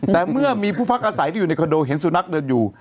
แต่เมื่อมีผู้พักอาศัยที่อยู่ในคอนโดเห็นสุนัขเดินอยู่